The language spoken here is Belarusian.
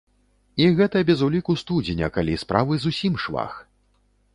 І гэта без уліку студзеня, калі справы зусім швах!